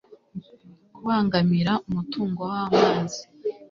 kubangamira umutungo w amazi